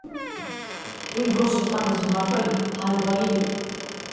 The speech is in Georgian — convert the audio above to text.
იმ დროს ესპანეთის მმართველი ჰანიბალი იყო.